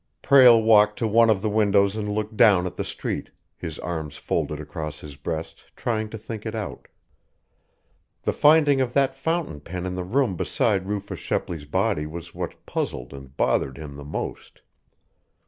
Prale walked to one of the windows and looked down at the street, his arms folded across his breast, trying to think it out. The finding of that fountain pen in the room beside Rufus Shepley's body was what puzzled and bothered him the most.